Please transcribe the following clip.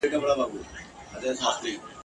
بلل کیږي چي مرغان زه یې پاچا یم !.